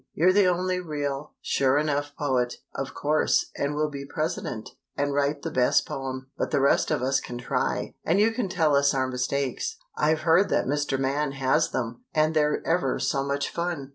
You're the only real, sure enough poet, of course, and will be president, and write the best poem, but the rest of us can try, and you can tell us our mistakes. I've heard that Mr. Man has them, and they're ever so much fun."